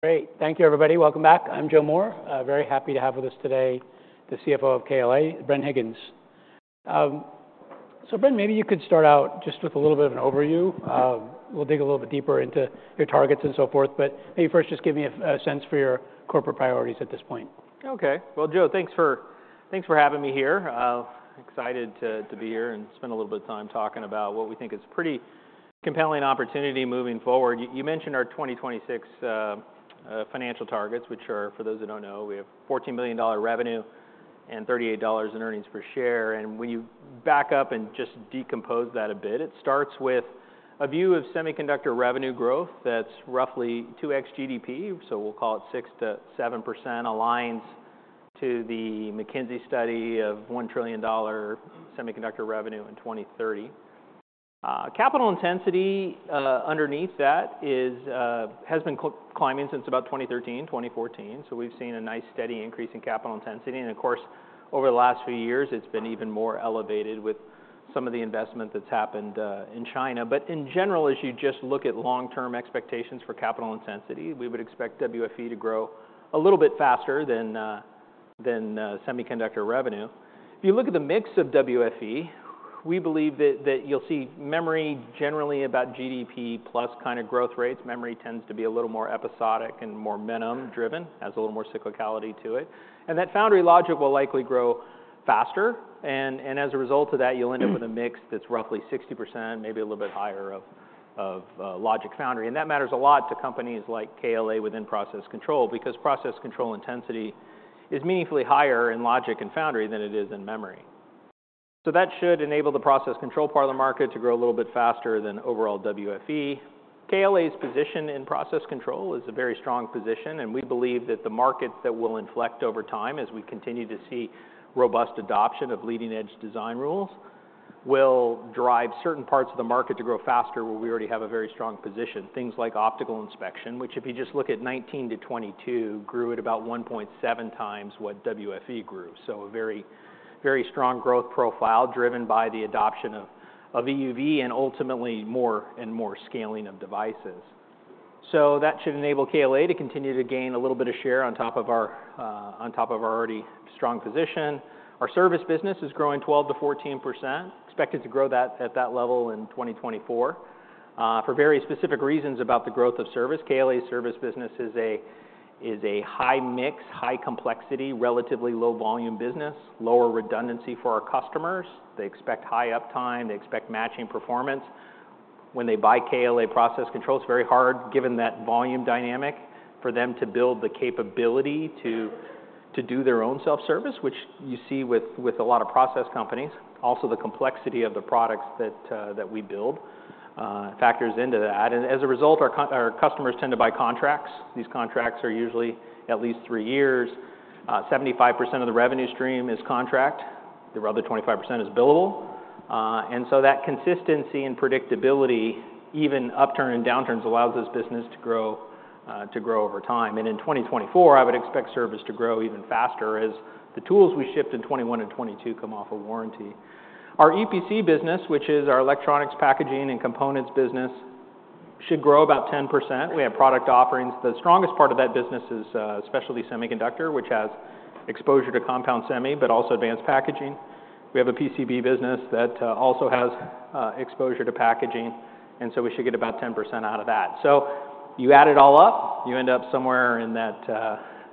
Great. Thank you, everybody. Welcome back. I'm Joe Moore. Very happy to have with us today the CFO of KLA, Bren Higgins. So Bren, maybe you could start out just with a little bit of an overview. We'll dig a little bit deeper into your targets and so forth. But maybe first, just give me a sense for your corporate priorities at this point. OK. Well, Joe, thanks for having me here. Excited to be here and spend a little bit of time talking about what we think is a pretty compelling opportunity moving forward. You mentioned our 2026 financial targets, which are, for those who don't know, we have $14 million revenue and $38 in earnings per share. And when you back up and just decompose that a bit, it starts with a view of semiconductor revenue growth that's roughly 2x GDP. So we'll call it 6%-7%. Aligns to the McKinsey study of $1 trillion semiconductor revenue in 2030. Capital intensity underneath that has been climbing since about 2013, 2014. So we've seen a nice, steady increase in capital intensity. And of course, over the last few years, it's been even more elevated with some of the investment that's happened in China. But in general, as you just look at long-term expectations for capital intensity, we would expect WFE to grow a little bit faster than semiconductor revenue. If you look at the mix of WFE, we believe that you'll see memory generally about GDP plus kind of growth rates. Memory tends to be a little more episodic and more minimum driven. It has a little more cyclicality to it. And that foundry logic will likely grow faster. And as a result of that, you'll end up with a mix that's roughly 60%, maybe a little bit higher, of logic foundry. And that matters a lot to companies like KLA within process control, because process control intensity is meaningfully higher in logic and foundry than it is in memory. So that should enable the process control part of the market to grow a little bit faster than overall WFE. KLA's position in process control is a very strong position. We believe that the markets that will inflect over time, as we continue to see robust adoption of leading-edge design rules, will drive certain parts of the market to grow faster where we already have a very strong position. Things like optical inspection, which if you just look at 2019-2022, grew at about 1.7 times what WFE grew. A very strong growth profile driven by the adoption of EUV and ultimately more and more scaling of devices. That should enable KLA to continue to gain a little bit of share on top of our already strong position. Our service business is growing 12%-14%. Expected to grow at that level in 2024. For very specific reasons about the growth of service, KLA's service business is a high mix, high complexity, relatively low volume business, lower redundancy for our customers. They expect high uptime. They expect matching performance. When they buy KLA process control, it's very hard, given that volume dynamic, for them to build the capability to do their own self-service, which you see with a lot of process companies. Also, the complexity of the products that we build factors into that. And as a result, our customers tend to buy contracts. These contracts are usually at least three years. 75% of the revenue stream is contract. The other 25% is billable. And so that consistency and predictability, even upturn and downturns, allows this business to grow over time. In 2024, I would expect service to grow even faster, as the tools we shipped in 2021 and 2022 come off a warranty. Our EPC business, which is our electronics packaging and components business, should grow about 10%. We have product offerings. The strongest part of that business is specialty semiconductor, which has exposure to compound semi but also advanced packaging. We have a PCB business that also has exposure to packaging. And so we should get about 10% out of that. So you add it all up, you end up somewhere in that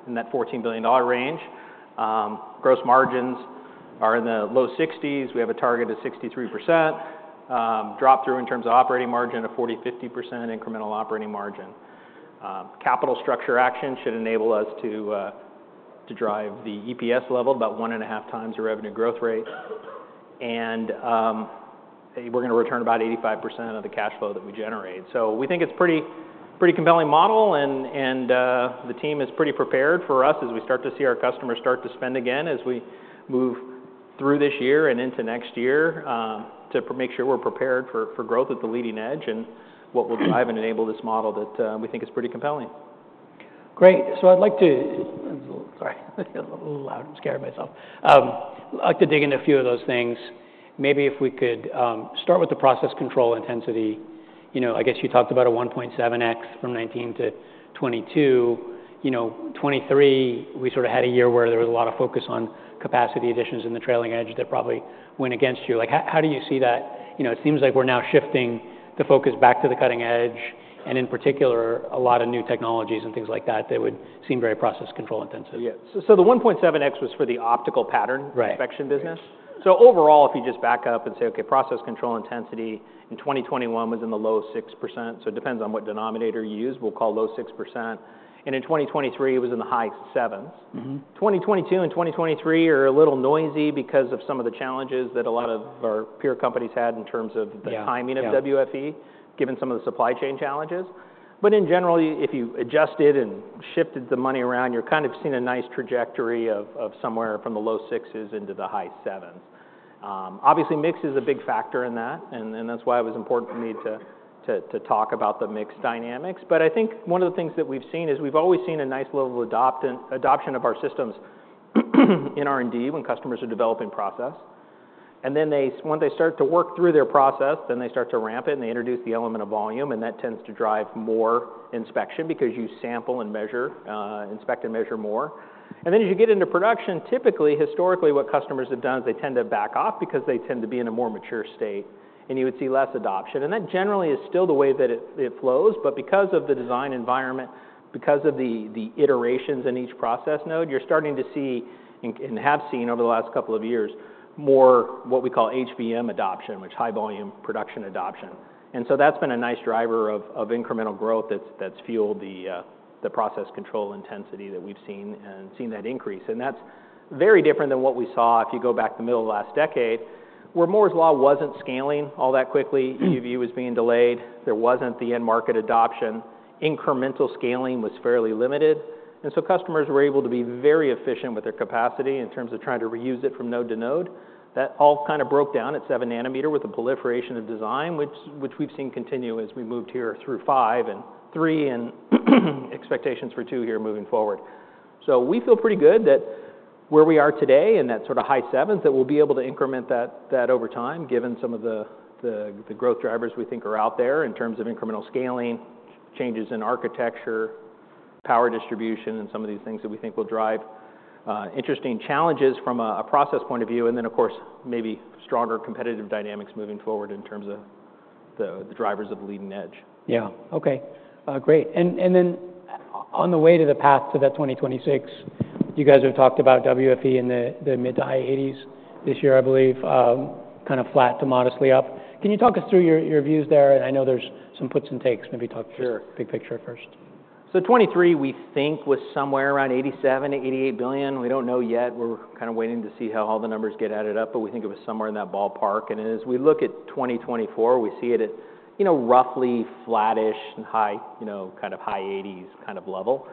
$14 billion range. Gross margins are in the low 60s. We have a target of 63%. Drop through in terms of operating margin, a 40%-50% incremental operating margin. Capital structure action should enable us to drive the EPS level about 1.5 times the revenue growth rate. We're going to return about 85% of the cash flow that we generate. We think it's a pretty compelling model. The team is pretty prepared for us, as we start to see our customers start to spend again, as we move through this year and into next year, to make sure we're prepared for growth at the leading edge and what will drive and enable this model that we think is pretty compelling. Great. So I'd like to dig into a few of those things. Maybe if we could start with the process control intensity. I guess you talked about a 1.7x from 2019 to 2022. 2023, we sort of had a year where there was a lot of focus on capacity additions in the trailing edge that probably went against you. How do you see that? It seems like we're now shifting the focus back to the cutting edge, and in particular, a lot of new technologies and things like that that would seem very process control intensive. Yeah. So the 1.7x was for the optical pattern inspection business. So overall, if you just back up and say, OK, process control intensity in 2021 was in the low 6%. So it depends on what denominator you use. We'll call low 6%. And in 2023, it was in the high 7s. 2022 and 2023 are a little noisy because of some of the challenges that a lot of our peer companies had in terms of the timing of WFE, given some of the supply chain challenges. But in general, if you adjusted and shifted the money around, you're kind of seeing a nice trajectory of somewhere from the low 6s into the high 7s. Obviously, mix is a big factor in that. And that's why it was important for me to talk about the mix dynamics. But I think one of the things that we've seen is we've always seen a nice level of adoption of our systems in R&D when customers are developing process. And then once they start to work through their process, then they start to ramp it. And they introduce the element of volume. And that tends to drive more inspection, because you sample and inspect and measure more. And then as you get into production, typically, historically, what customers have done is they tend to back off, because they tend to be in a more mature state. And you would see less adoption. And that generally is still the way that it flows. But because of the design environment, because of the iterations in each process node, you're starting to see and have seen over the last couple of years more what we call HVM adoption, which is high volume production adoption. And so that's been a nice driver of incremental growth that's fueled the process control intensity that we've seen and seen that increase. And that's very different than what we saw if you go back the middle of the last decade, where Moore's Law wasn't scaling all that quickly. EUV was being delayed. There wasn't the end market adoption. Incremental scaling was fairly limited. And so customers were able to be very efficient with their capacity in terms of trying to reuse it from node to node. That all kind of broke down at 7-nm with the proliferation of design, which we've seen continue as we moved here through five and three and expectations for two here moving forward. So we feel pretty good that where we are today in that sort of high 7s, that we'll be able to increment that over time, given some of the growth drivers we think are out there in terms of incremental scaling, changes in architecture, power distribution, and some of these things that we think will drive interesting challenges from a process point of view. And then, of course, maybe stronger competitive dynamics moving forward in terms of the drivers of leading edge. Yeah. OK. Great. And then on the way to the path to that 2026, you guys have talked about WFE in the mid- to high $80s this year, I believe, kind of flat to modestly up. Can you talk us through your views there? And I know there's some puts and takes. Maybe talk big picture first. So 2023, we think was somewhere around $87-$88 billion. We don't know yet. We're kind of waiting to see how all the numbers get added up. But we think it was somewhere in that ballpark. And as we look at 2024, we see it at roughly flattish and kind of high 80s kind of level.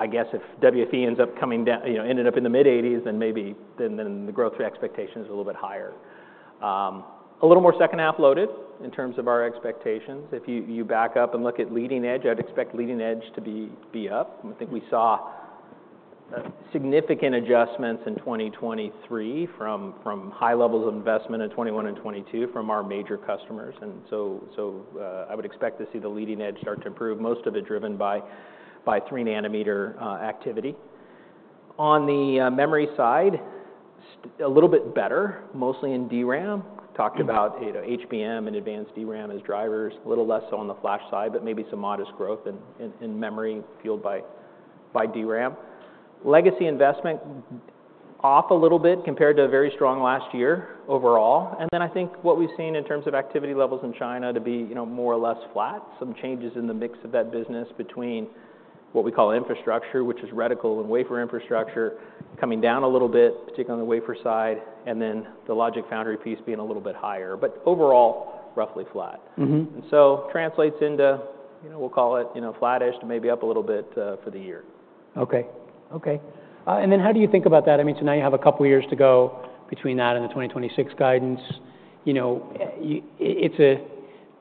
I guess if WFE ends up coming down ended up in the mid 80s, then maybe then the growth expectation is a little bit higher. A little more second half loaded in terms of our expectations. If you back up and look at leading edge, I'd expect leading edge to be up. I think we saw significant adjustments in 2023 from high levels of investment in 2021 and 2022 from our major customers. I would expect to see the leading edge start to improve, most of it driven by 3 nm activity. On the memory side, a little bit better, mostly in DRAM. Talked about HBM and advanced DRAM as drivers, a little less so on the flash side, but maybe some modest growth in memory fueled by DRAM. Legacy investment off a little bit compared to a very strong last year overall. I think what we've seen in terms of activity levels in China to be more or less flat, some changes in the mix of that business between what we call infrastructure, which is reticle and wafer infrastructure, coming down a little bit, particularly on the wafer side, and then the logic foundry piece being a little bit higher. But overall, roughly flat. And so translates into, we'll call it, flattish to maybe up a little bit for the year. And then how do you think about that? I mean, so now you have a couple of years to go between that and the 2026 guidance.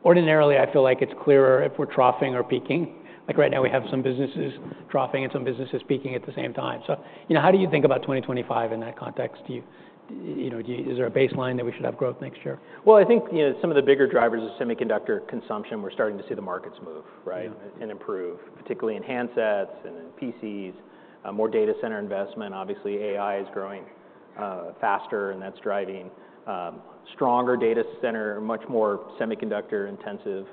Ordinarily, I feel like it's clearer if we're troughing or peaking. Like right now, we have some businesses troughing and some businesses peaking at the same time. So how do you think about 2025 in that context? Is there a baseline that we should have growth next year? Well, I think some of the bigger drivers are semiconductor consumption. We're starting to see the markets move and improve, particularly in handsets and in PCs. More data center investment. Obviously, AI is growing faster. And that's driving stronger data center, much more semiconductor intensive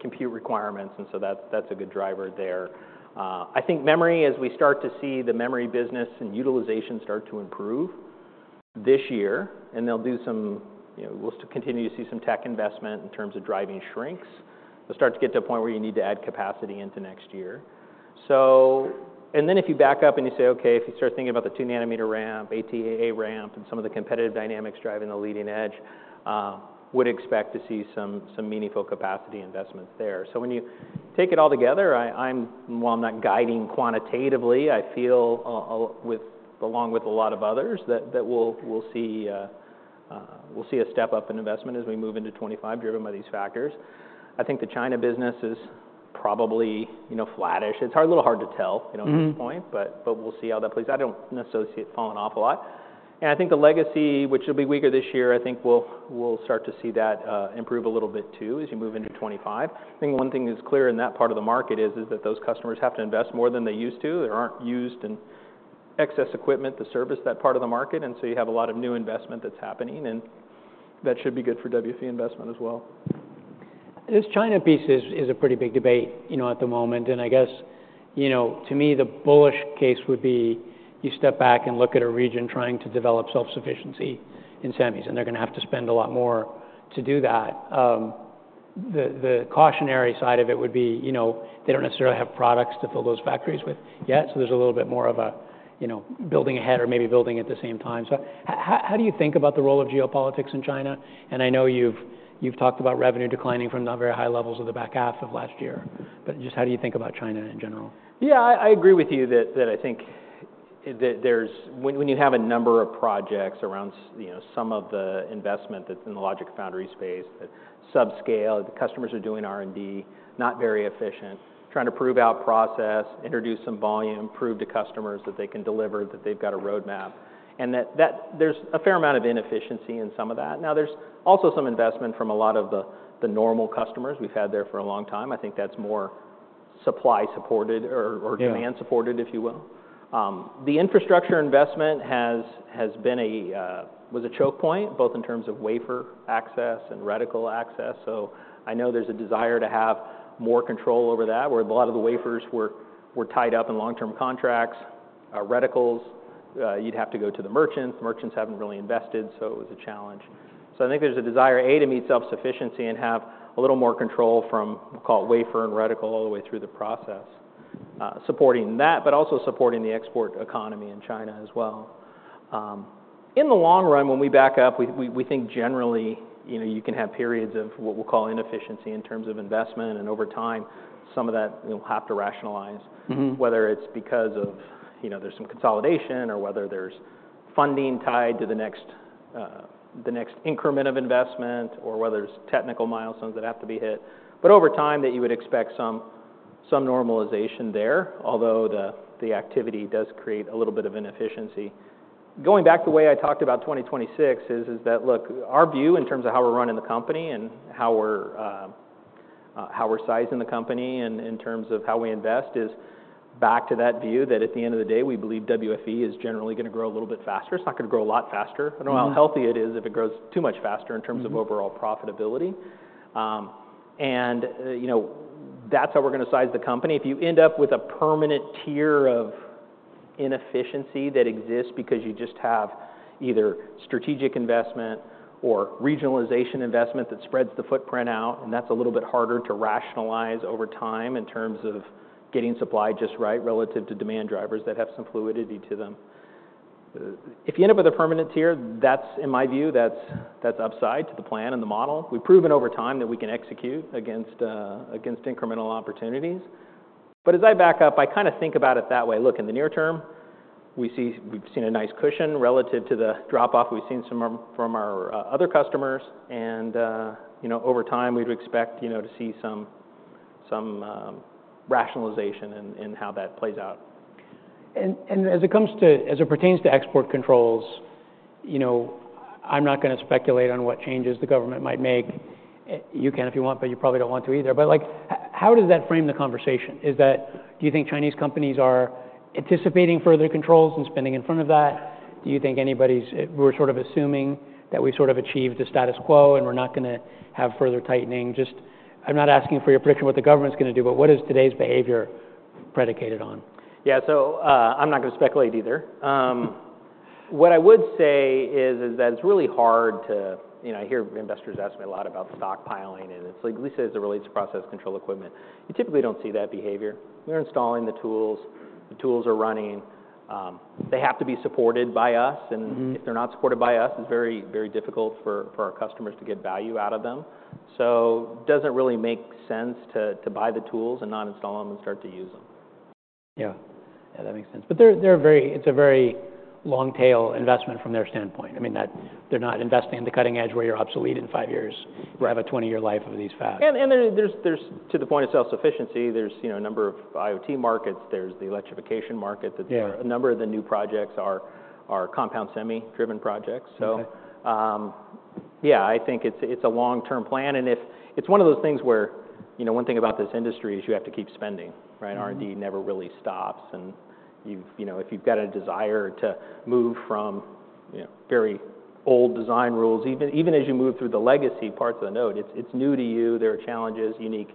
compute requirements. And so that's a good driver there. I think memory, as we start to see the memory business and utilization start to improve this year, and they'll do some we'll continue to see some tech investment in terms of driving shrinks. They'll start to get to a point where you need to add capacity into next year. And then if you back up and you say, OK, if you start thinking about the 2 nm ramp, ATAA ramp, and some of the competitive dynamics driving the leading edge, we would expect to see some meaningful capacity investments there. So when you take it all together, while I'm not guiding quantitatively, I feel, along with a lot of others, that we'll see a step up in investment as we move into 2025 driven by these factors. I think the China business is probably flattish. It's a little hard to tell at this point. We'll see how that plays. I don't necessarily see it falling off a lot. I think the legacy, which will be weaker this year, we'll start to see that improve a little bit too as you move into 2025. I think one thing that's clear in that part of the market is that those customers have to invest more than they used to. There aren't used and excess equipment to service that part of the market. So you have a lot of new investment that's happening. That should be good for WFE investment as well. This China piece is a pretty big debate at the moment. And I guess to me, the bullish case would be you step back and look at a region trying to develop self-sufficiency in semis. And they're going to have to spend a lot more to do that. The cautionary side of it would be they don't necessarily have products to fill those factories with yet. So there's a little bit more of a building ahead or maybe building at the same time. So how do you think about the role of geopolitics in China? And I know you've talked about revenue declining from not very high levels of the back half of last year. But just how do you think about China in general? Yeah. I agree with you that I think when you have a number of projects around some of the investment that's in the logic foundry space, that subscale, the customers are doing R&D, not very efficient, trying to prove out process, introduce some volume, prove to customers that they can deliver, that they've got a roadmap, and that there's a fair amount of inefficiency in some of that. Now, there's also some investment from a lot of the normal customers we've had there for a long time. I think that's more supply supported or demand supported, if you will. The infrastructure investment was a choke point, both in terms of wafer access and reticle access. So I know there's a desire to have more control over that, where a lot of the wafers were tied up in long-term contracts. Reticles, you'd have to go to the merchants. The merchants haven't really invested. So it was a challenge. So I think there's a desire, A, to meet self-sufficiency and have a little more control from, we'll call it, wafer and reticle all the way through the process, supporting that but also supporting the export economy in China as well. In the long run, when we back up, we think generally you can have periods of what we'll call inefficiency in terms of investment. And over time, some of that will have to rationalize, whether it's because there's some consolidation or whether there's funding tied to the next increment of investment or whether there's technical milestones that have to be hit. But over time, that you would expect some normalization there, although the activity does create a little bit of inefficiency. Going back to the way I talked about 2026 is that, look, our view in terms of how we're running the company and how we're sizing the company in terms of how we invest is back to that view that at the end of the day, we believe WFE is generally going to grow a little bit faster. It's not going to grow a lot faster. I don't know how healthy it is if it grows too much faster in terms of overall profitability. And that's how we're going to size the company. If you end up with a permanent tier of inefficiency that exists because you just have either strategic investment or regionalization investment that spreads the footprint out, and that's a little bit harder to rationalize over time in terms of getting supply just right relative to demand drivers that have some fluidity to them, if you end up with a permanent tier, in my view, that's upside to the plan and the model. We've proven over time that we can execute against incremental opportunities. But as I back up, I kind of think about it that way. Look, in the near term, we've seen a nice cushion relative to the drop-off we've seen from our other customers. And over time, we'd expect to see some rationalization in how that plays out. As it pertains to export controls, I'm not going to speculate on what changes the government might make. You can if you want. But you probably don't want to either. But how does that frame the conversation? Do you think Chinese companies are anticipating further controls and spending in front of that? Do you think anybody's? We're sort of assuming that we've sort of achieved the status quo and we're not going to have further tightening? I'm not asking for your prediction of what the government's going to do. But what is today's behavior predicated on? Yeah. So I'm not going to speculate either. What I would say is that it's really hard. I hear investors ask me a lot about stockpiling. And it's like Lisa says it relates to process control equipment. You typically don't see that behavior. We're installing the tools. The tools are running. They have to be supported by us. And if they're not supported by us, it's very difficult for our customers to get value out of them. So it doesn't really make sense to buy the tools and not install them and start to use them. Yeah. Yeah. That makes sense. But it's a very long tail investment from their standpoint. I mean, they're not investing in the cutting edge where you're obsolete in five years. We'll have a 20-year life of these fabs. And to the point of self-sufficiency, there's a number of IoT markets. There's the electrification market. A number of the new projects are compound semi-driven projects. So yeah, I think it's a long-term plan. And it's one of those things where one thing about this industry is you have to keep spending. R&D never really stops. And if you've got a desire to move from very old design rules, even as you move through the legacy parts of the node, it's new to you. There are challenges, unique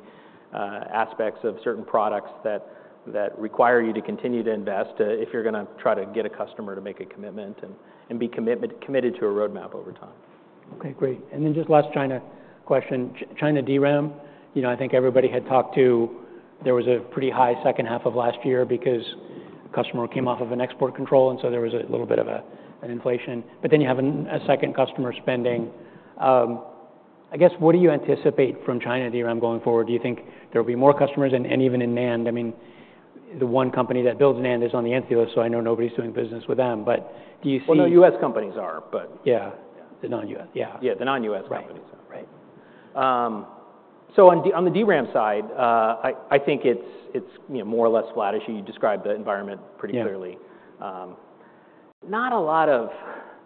aspects of certain products that require you to continue to invest if you're going to try to get a customer to make a commitment and be committed to a roadmap over time. OK. Great. And then just last China question, China DRAM, I think everybody had talked to there was a pretty high second half of last year because a customer came off of an export control. And so there was a little bit of an inflation. But then you have a second customer spending. I guess what do you anticipate from China DRAM going forward? Do you think there will be more customers? And even in NAND, I mean, the one company that builds NAND is on the Entity List. So I know nobody's doing business with them. But do you see? Well, no, U.S. companies are. But. Yeah. The non-U.S. Yeah. Yeah. The non-US companies are. Right. So on the DRAM side, I think it's more or less flattish. You described the environment pretty clearly. Not a lot of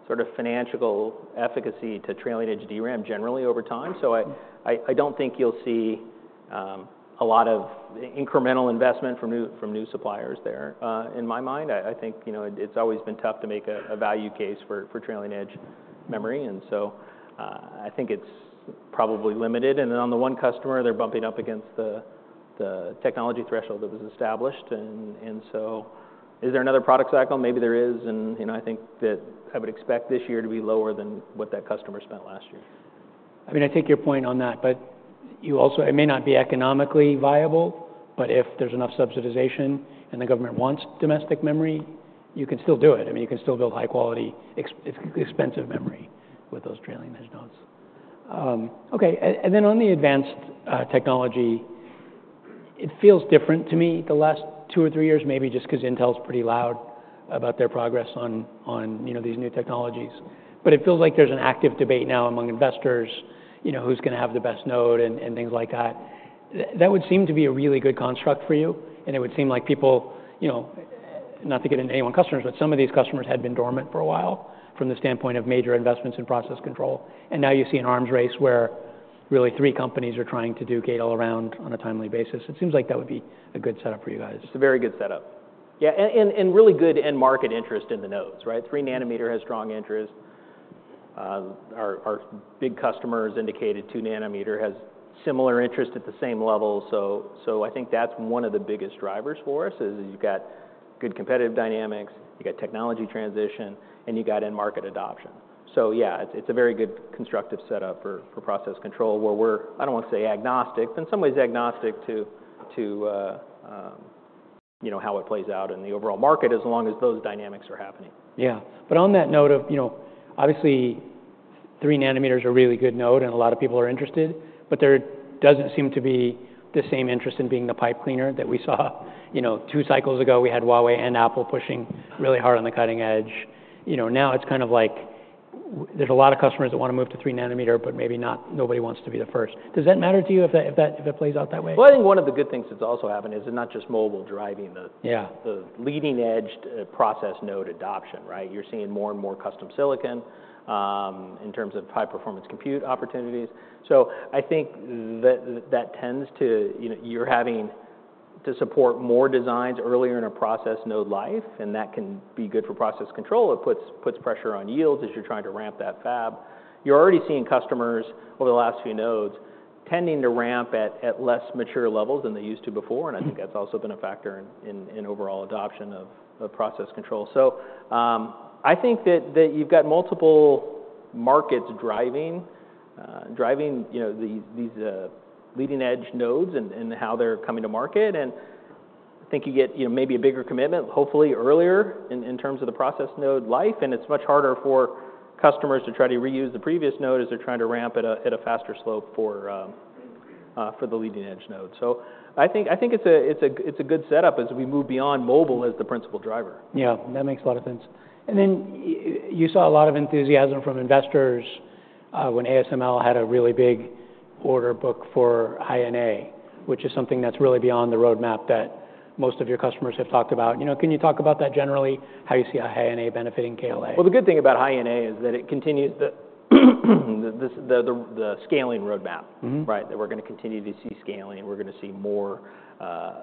sort of financial efficacy to trailing edge DRAM generally over time. So I don't think you'll see a lot of incremental investment from new suppliers there, in my mind. I think it's always been tough to make a value case for trailing edge memory. And so I think it's probably limited. And then on the one customer, they're bumping up against the technology threshold that was established. And so is there another product cycle? Maybe there is. And I think that I would expect this year to be lower than what that customer spent last year. I mean, I take your point on that. But it may not be economically viable. But if there's enough subsidization and the government wants domestic memory, you can still do it. I mean, you can still build high quality, expensive memory with those trailing edge nodes. OK. And then on the advanced technology, it feels different to me the last two or three years, maybe just because Intel's pretty loud about their progress on these new technologies. But it feels like there's an active debate now among investors who's going to have the best node and things like that. That would seem to be a really good construct for you. And it would seem like people not to get into anyone's customers, but some of these customers had been dormant for a while from the standpoint of major investments in process control. Now you see an arms race where really three companies are trying to duplicate all around on a timely basis. It seems like that would be a good setup for you guys. It's a very good setup. Yeah. Really good end market interest in the nodes. 3 nm has strong interest. Our big customers indicated 2 nm has similar interest at the same level. So I think that's one of the biggest drivers for us is you've got good competitive dynamics, you've got technology transition, and you've got end market adoption. So yeah, it's a very good constructive setup for process control where we're, I don't want to say agnostic, but in some ways agnostic to how it plays out in the overall market as long as those dynamics are happening. Yeah. But on that note of obviously, 3 nm are a really good node. And a lot of people are interested. But there doesn't seem to be the same interest in being the pipe cleaner that we saw two cycles ago. We had Huawei and Apple pushing really hard on the cutting edge. Now it's kind of like there's a lot of customer that want to move to 3 nm. But maybe nobody wants to be the first. Does that matter to you if it plays out that way? Well, I think one of the good things that's also happened is it's not just mobile driving the leading-edge process node adoption. You're seeing more and more custom silicon in terms of high performance compute opportunities. So I think that tends to you're having to support more designs earlier in a process node life. And that can be good for process control. It puts pressure on yields as you're trying to ramp that fab. You're already seeing customers over the last few nodes tending to ramp at less mature levels than they used to before. And I think that's also been a factor in overall adoption of process control. So I think that you've got multiple markets driving these leading-edge nodes and how they're coming to market. And I think you get maybe a bigger commitment, hopefully earlier, in terms of the process node life. It's much harder for customers to try to reuse the previous node as they're trying to ramp at a faster slope for the leading edge node. I think it's a good setup as we move beyond mobile as the principal driver. Yeah. That makes a lot of sense. And then you saw a lot of enthusiasm from investors when ASML had a really big order book for High NA, which is something that's really beyond the roadmap that most of your customers have talked about. Can you talk about that generally, how you see High NA benefiting KLA? Well, the good thing about High NA is that it continues the scaling roadmap that we're going to continue to see scaling. We're going to see more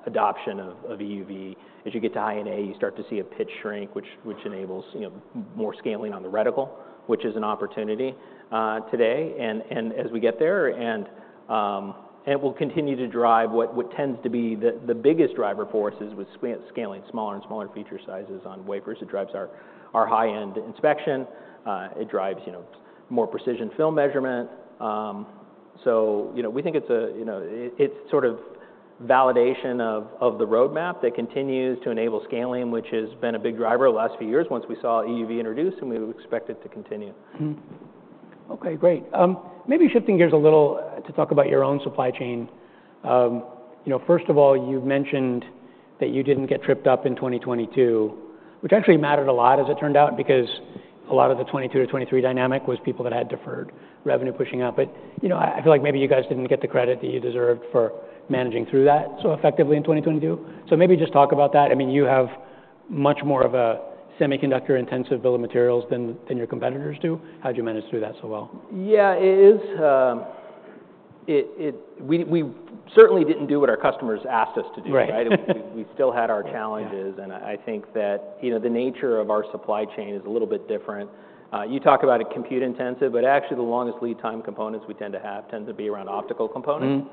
adoption of EUV. As you get to High NA, you start to see a pitch shrink, which enables more scaling on the reticle, which is an opportunity today as we get there. And it will continue to drive what tends to be the biggest driver for us is with scaling smaller and smaller feature sizes on wafers. It drives our high end inspection. It drives more precision film measurement. So we think it's sort of validation of the roadmap that continues to enable scaling, which has been a big driver the last few years once we saw EUV introduced. And we expect it to continue. OK. Great. Maybe shifting gears a little to talk about your own supply chain. First of all, you mentioned that you didn't get tripped up in 2022, which actually mattered a lot, as it turned out, because a lot of the 2022-2023 dynamic was people that had deferred revenue pushing up. But I feel like maybe you guys didn't get the credit that you deserved for managing through that so effectively in 2022. So maybe just talk about that. I mean, you have much more of a semiconductor intensive bill of materials than your competitors do. How'd you manage through that so well? Yeah. We certainly didn't do what our customers asked us to do. We still had our challenges. And I think that the nature of our supply chain is a little bit different. You talk about it compute intensive. But actually, the longest lead time components we tend to have tend to be around optical components.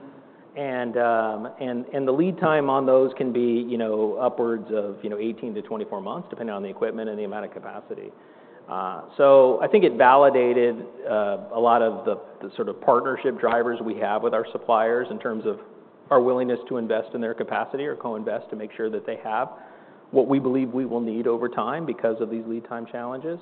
And the lead time on those can be upwards of 18-24 months, depending on the equipment and the amount of capacity. So I think it validated a lot of the sort of partnership drivers we have with our suppliers in terms of our willingness to invest in their capacity or co-invest to make sure that they have what we believe we will need over time because of these lead time challenges.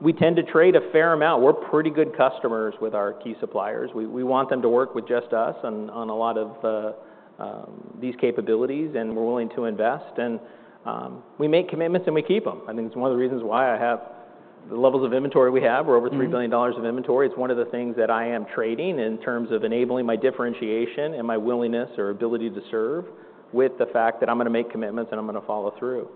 We tend to trade a fair amount. We're pretty good customers with our key suppliers. We want them to work with just us on a lot of these capabilities. We're willing to invest. We make commitments. We keep them. I think it's one of the reasons why the levels of inventory we have, we're over $3 billion of inventory. It's one of the things that I am trading in terms of enabling my differentiation and my willingness or ability to serve with the fact that I'm going to make commitments. I'm going to follow through.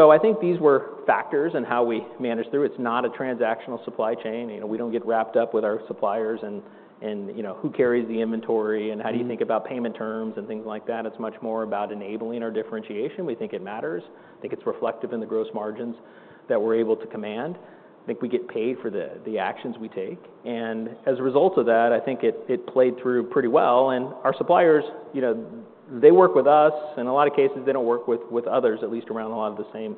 I think these were factors in how we managed through. It's not a transactional supply chain. We don't get wrapped up with our suppliers and who carries the inventory and how do you think about payment terms and things like that. It's much more about enabling our differentiation. We think it matters. I think it's reflective in the gross margins that we're able to command. I think we get paid for the actions we take. As a result of that, I think it played through pretty well. Our suppliers, they work with us. In a lot of cases, they don't work with others, at least around a lot of the same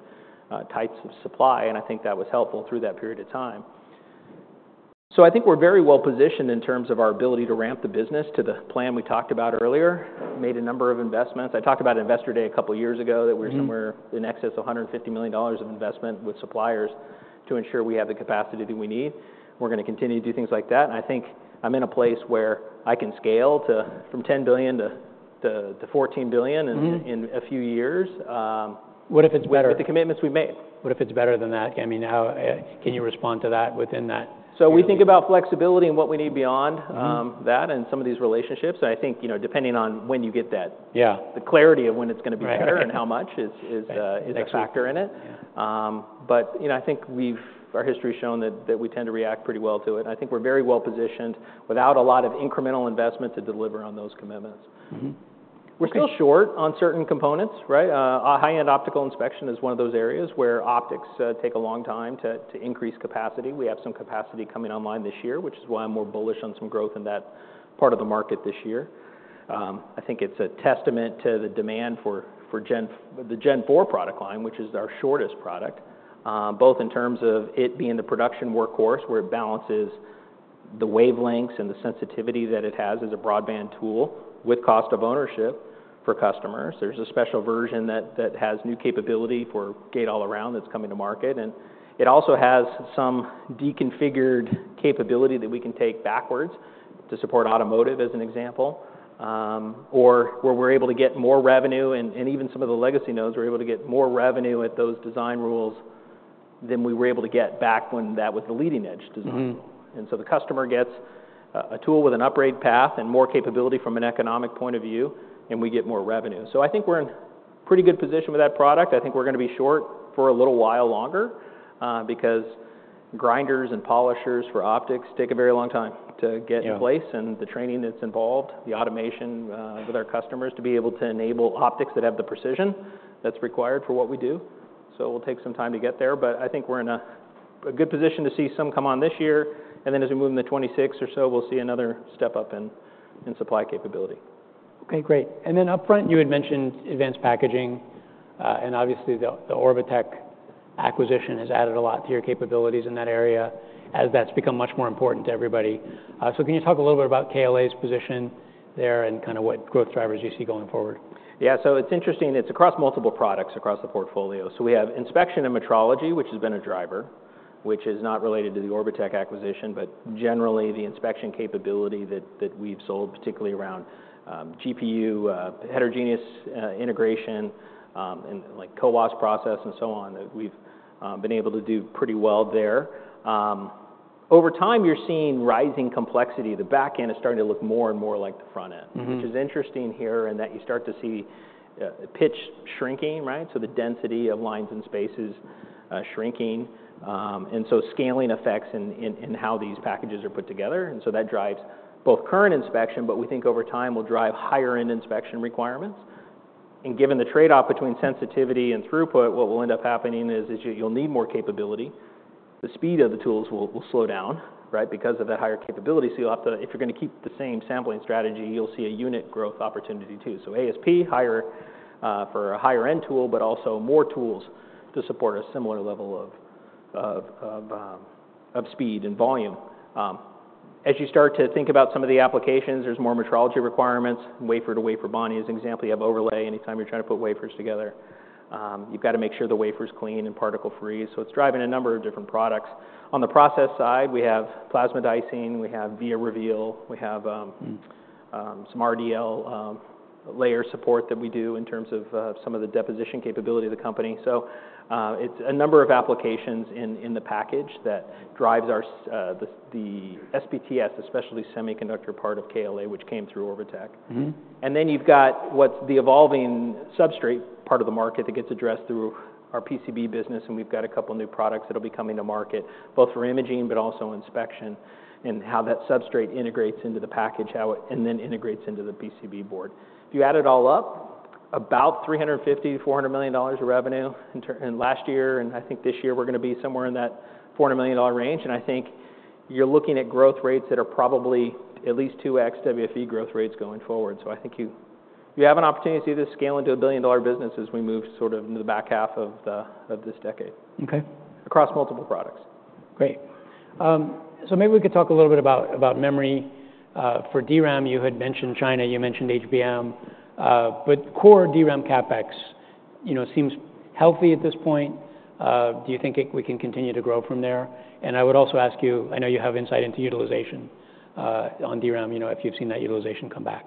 types of supply. And I think that was helpful through that period of time. So I think we're very well positioned in terms of our ability to ramp the business to the plan we talked about earlier, made a number of investments. I talked about Investor Day a couple of years ago that we're somewhere in excess of $150 million of investment with suppliers to ensure we have the capacity that we need. We're going to continue to do things like that. I think I'm in a place where I can scale from $10 billion-$14 billion in a few years. What if it's better? With the commitments we've made. What if it's better than that? I mean, can you respond to that within that? So we think about flexibility and what we need beyond that and some of these relationships. And I think depending on when you get that, the clarity of when it's going to be better and how much is a factor in it. But I think our history has shown that we tend to react pretty well to it. And I think we're very well positioned without a lot of incremental investment to deliver on those commitments. We're still short on certain components. High-end optical inspection is one of those areas where optics take a long time to increase capacity. We have some capacity coming online this year, which is why I'm more bullish on some growth in that part of the market this year. I think it's a testament to the demand for the Gen 4 product line, which is our shortest product, both in terms of it being the production workhorse where it balances the wavelengths and the sensitivity that it has as a broadband tool with cost of ownership for customers. There's a special version that has new capability for Gate-All-Around that's coming to market. It also has some deconfigured capability that we can take backwards to support automotive, as an example, or where we're able to get more revenue. Even some of the legacy nodes, we're able to get more revenue at those design rules than we were able to get back when that was the leading edge design. So the customer gets a tool with an upgrade path and more capability from an economic point of view. And we get more revenue. I think we're in pretty good position with that product. I think we're going to be short for a little while longer because grinders and polishers for optics take a very long time to get in place and the training that's involved, the automation with our customers to be able to enable optics that have the precision that's required for what we do. So it will take some time to get there. But I think we're in a good position to see some come on this year. And then as we move into 2026 or so, we'll see another step up in supply capability. OK. Great. And then upfront, you had mentioned advanced packaging. And obviously, the Orbotech acquisition has added a lot to your capabilities in that area as that's become much more important to everybody. So can you talk a little bit about KLA's position there and kind of what growth drivers you see going forward? Yeah. So it's interesting. It's across multiple products across the portfolio. So we have inspection and metrology, which has been a driver, which is not related to the Orbotech acquisition. But generally, the inspection capability that we've sold, particularly around GPU heterogeneous integration and co-optimized process and so on, that we've been able to do pretty well there. Over time, you're seeing rising complexity. The back end is starting to look more and more like the front end, which is interesting here in that you start to see pitch shrinking, so the density of lines and spaces shrinking. And so scaling affects in how these packages are put together. And so that drives both current inspection. But we think over time, we'll drive higher end inspection requirements. And given the trade-off between sensitivity and throughput, what will end up happening is you'll need more capability. The speed of the tools will slow down because of that higher capability. If you're going to keep the same sampling strategy, you'll see a unit growth opportunity too. ASP, for a higher end tool, but also more tools to support a similar level of speed and volume. As you start to think about some of the applications, there's more metrology requirements. Wafer to wafer, bonding as an example, you have overlay any time you're trying to put wafers together. You've got to make sure the wafer's clean and particle-free. It's driving a number of different products. On the process side, we have plasma dicing. We have ViaReveal. We have some RDL layer support that we do in terms of some of the deposition capability of the company. So it's a number of applications in the package that drives the SPTS, the specialty semiconductor part of KLA, which came through Orbotech. And then you've got what's the evolving substrate part of the market that gets addressed through our PCB business. And we've got a couple of new products that will be coming to market, both for imaging but also inspection and how that substrate integrates into the package and then integrates into the PCB board. If you add it all up, about $350-$400 million of revenue in last year. And I think this year, we're going to be somewhere in that $400 million range. And I think you're looking at growth rates that are probably at least 2x WFE growth rates going forward. I think you have an opportunity to see this scale into a billion-dollar business as we move sort of into the back half of this decade across multiple products. Great. So maybe we could talk a little bit about memory. For DRAM, you had mentioned China. You mentioned HBM. But core DRAM CapEx seems healthy at this point. Do you think we can continue to grow from there? And I would also ask you, I know you have insight into utilization on DRAM, if you've seen that utilization come back.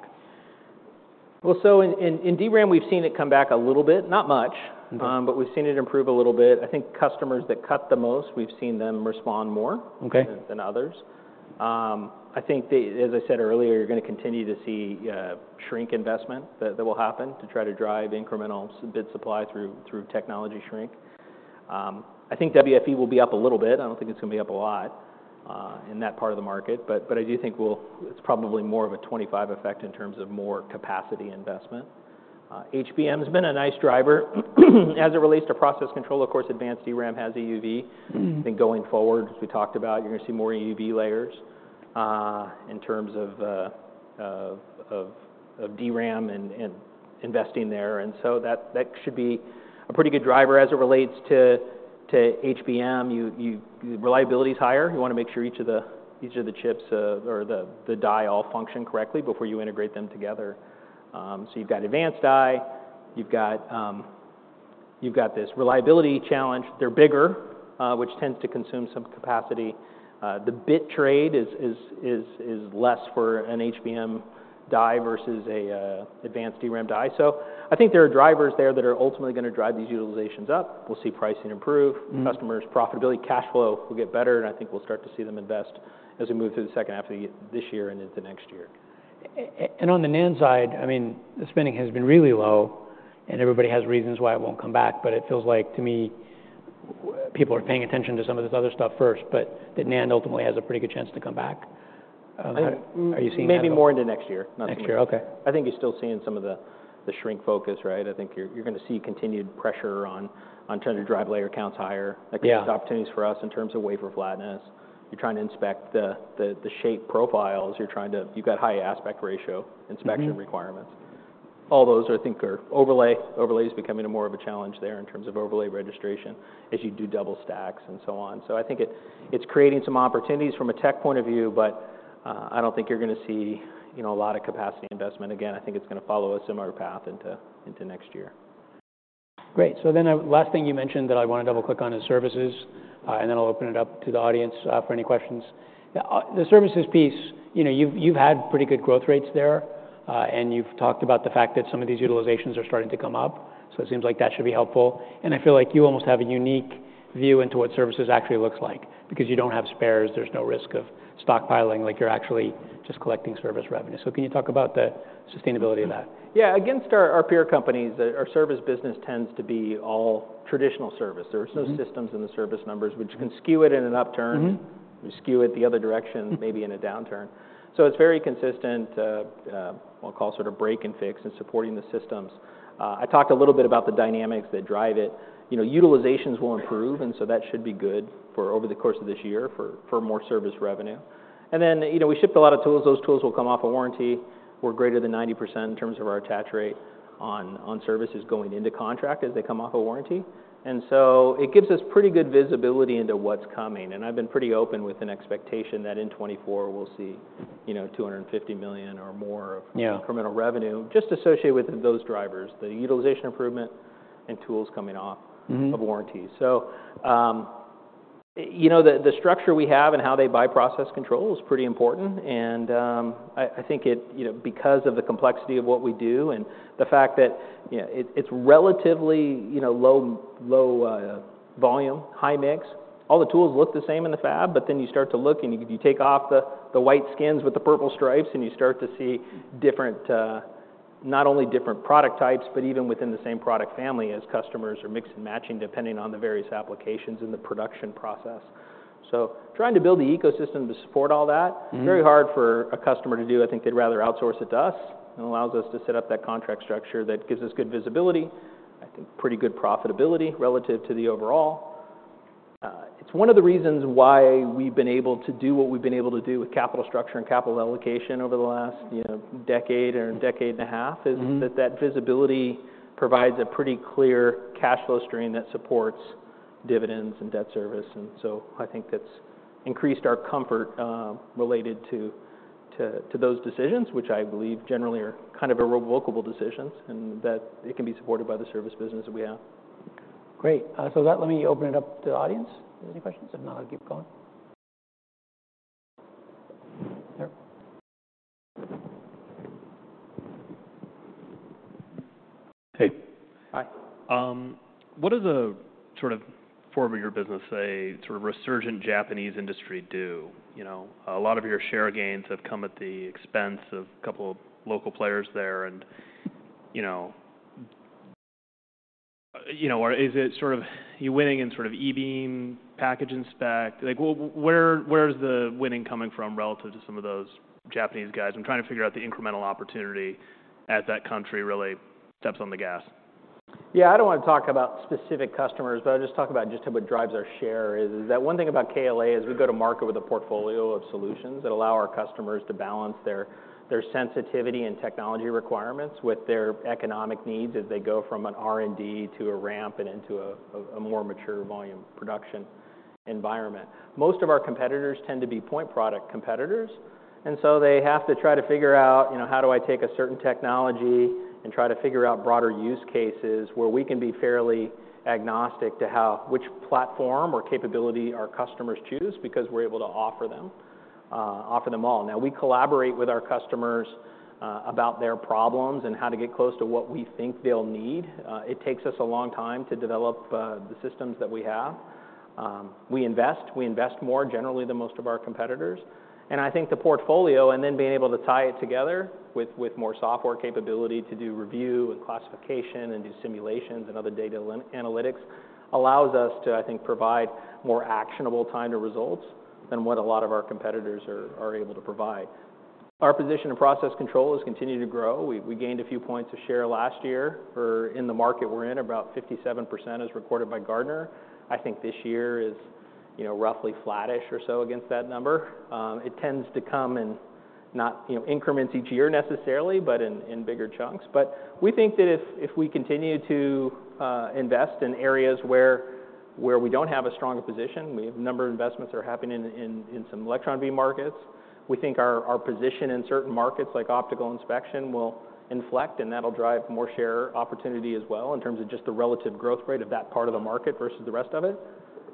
Well, so in DRAM, we've seen it come back a little bit, not much. But we've seen it improve a little bit. I think customers that cut the most, we've seen them respond more than others. I think, as I said earlier, you're going to continue to see shrink investment that will happen to try to drive incremental bit supply through technology shrink. I think WFE will be up a little bit. I don't think it's going to be up a lot in that part of the market. But I do think it's probably more of a 25 effect in terms of more capacity investment. HBM has been a nice driver as it relates to process control. Of course, advanced DRAM has EUV. I think going forward, as we talked about, you're going to see more EUV layers in terms of DRAM and investing there. And so that should be a pretty good driver as it relates to HBM. Reliability is higher. You want to make sure each of the chips or the die all function correctly before you integrate them together. So you've got advanced die. You've got this reliability challenge. They're bigger, which tends to consume some capacity. The bit trade is less for an HBM die versus an advanced DRAM die. So I think there are drivers there that are ultimately going to drive these utilizations up. We'll see pricing improve. Customers' profitability, cash flow will get better. And I think we'll start to see them invest as we move through the second half of this year and into next year. On the NAND side, I mean, the spending has been really low. Everybody has reasons why it won't come back. But it feels like, to me, people are paying attention to some of this other stuff first, but that NAND ultimately has a pretty good chance to come back. Are you seeing that? Maybe more into next year. Next year. OK. I think you're still seeing some of the shrink focus. I think you're going to see continued pressure on trying to drive layer counts higher. That creates opportunities for us in terms of wafer flatness. You're trying to inspect the shape profiles. You've got high aspect ratio inspection requirements. All those, I think, are overlay. Overlay is becoming more of a challenge there in terms of overlay registration as you do double stacks and so on. So I think it's creating some opportunities from a tech point of view. But I don't think you're going to see a lot of capacity investment. Again, I think it's going to follow a similar path into next year. Great. So then the last thing you mentioned that I want to double click on is services. And then I'll open it up to the audience for any questions. The services piece, you've had pretty good growth rates there. And you've talked about the fact that some of these utilizations are starting to come up. So it seems like that should be helpful. And I feel like you almost have a unique view into what services actually looks like because you don't have spares. There's no risk of stockpiling. You're actually just collecting service revenue. So can you talk about the sustainability of that? Yeah. Against our peer companies, our service business tends to be all traditional service. There's no systems in the service numbers, which can skew it in an upturn, skew it the other direction, maybe in a downturn. So it's very consistent, we'll call it sort of break and fix, in supporting the systems. I talked a little bit about the dynamics that drive it. Utilizations will improve. And so that should be good over the course of this year for more service revenue. And then we shipped a lot of tools. Those tools will come off a warranty. We're greater than 90% in terms of our attach rate on services going into contract as they come off a warranty. And so it gives us pretty good visibility into what's coming. I've been pretty open with an expectation that in 2024, we'll see $250 million or more of incremental revenue just associated with those drivers, the utilization improvement and tools coming off of warranty. The structure we have and how they bypass control is pretty important. I think because of the complexity of what we do and the fact that it's relatively low volume, high mix, all the tools look the same in the fab. But then you start to look. You take off the white skins with the purple stripes. You start to see not only different product types, but even within the same product family as customers are mixing and matching depending on the various applications and the production process. Trying to build the ecosystem to support all that, very hard for a customer to do. I think they'd rather outsource it to us. It allows us to set up that contract structure that gives us good visibility, I think pretty good profitability relative to the overall. It's one of the reasons why we've been able to do what we've been able to do with capital structure and capital allocation over the last decade or decade and a half is that that visibility provides a pretty clear cash flow stream that supports dividends and debt service. So I think that's increased our comfort related to those decisions, which I believe generally are kind of irrevocable decisions and that it can be supported by the service business that we have. Great. So let me open it up to the audience. Any questions? If not, I'll keep going. Hey. Hi. What does a sort of forward of your business, say, sort of resurgent Japanese industry do? A lot of your share gains have come at the expense of a couple of local players there. And is it sort of you winning in sort of e-beam package inspect? Where is the winning coming from relative to some of those Japanese guys? I'm trying to figure out the incremental opportunity as that country really steps on the gas. Yeah. I don't want to talk about specific customers. But I'll just talk about just what drives our share is that one thing about KLA is we go to market with a portfolio of solutions that allow our customers to balance their sensitivity and technology requirements with their economic needs as they go from an R&D to a ramp and into a more mature volume production environment. Most of our competitors tend to be point product competitors. And so they have to try to figure out, how do I take a certain technology and try to figure out broader use cases where we can be fairly agnostic to which platform or capability our customers choose because we're able to offer them all. Now, we collaborate with our customers about their problems and how to get close to what we think they'll need. It takes us a long time to develop the systems that we have. We invest. We invest more, generally, than most of our competitors. I think the portfolio and then being able to tie it together with more software capability to do review and classification and do simulations and other data analytics allows us to, I think, provide more actionable time to results than what a lot of our competitors are able to provide. Our position in process control has continued to grow. We gained a few points of share last year. In the market we're in, about 57% is recorded by Gartner. I think this year is roughly flattish or so against that number. It tends to come in increments each year necessarily, but in bigger chunks. But we think that if we continue to invest in areas where we don't have a stronger position, we have a number of investments that are happening in some electron beam markets. We think our position in certain markets like optical inspection will inflect. And that'll drive more share opportunity as well in terms of just the relative growth rate of that part of the market versus the rest of it.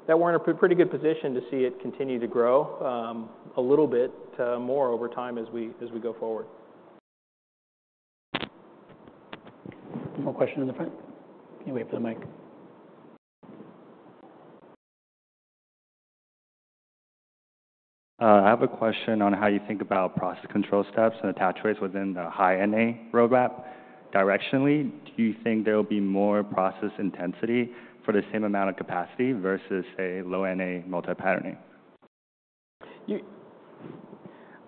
That we're in a pretty good position to see it continue to grow a little bit more over time as we go forward. One more question in the front. Can you wait for the mic? I have a question on how you think about process control steps and attach rates within the High NA roadmap. Directionally, do you think there will be more process intensity for the same amount of capacity versus, say, Low NA multi-patterning?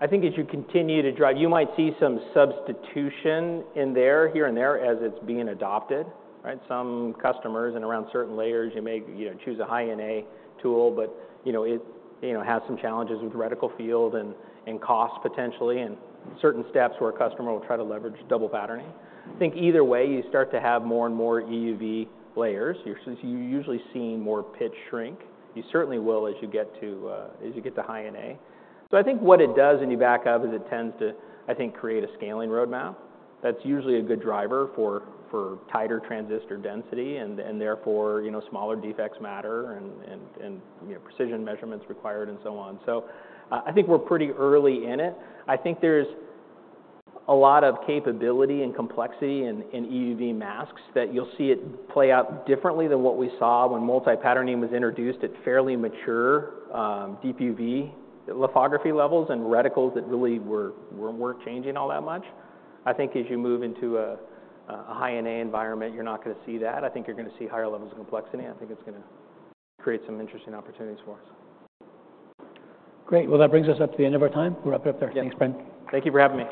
I think as you continue to drive, you might see some substitution here and there as it's being adopted. Some customers and around certain layers, you may choose a High NA tool. But it has some challenges with reticle field and cost potentially and certain steps where a customer will try to leverage double patterning. I think either way, you start to have more and more EUV layers. You're usually seeing more pitch shrink. You certainly will as you get to High NA. So I think what it does, and you back up, is it tends to, I think, create a scaling roadmap. That's usually a good driver for tighter transistor density. And therefore, smaller defects matter and precision measurements required and so on. So I think we're pretty early in it. I think there's a lot of capability and complexity in EUV masks that you'll see it play out differently than what we saw when multi-patterning was introduced at fairly mature DUV lithography levels and reticles that really weren't changing all that much. I think as you move into a High-NA environment, you're not going to see that. I think you're going to see higher levels of complexity. I think it's going to create some interesting opportunities for us. Great. Well, that brings us up to the end of our time. We'll wrap it up there. Thanks, Bren. Thank you for having me.